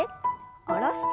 下ろして。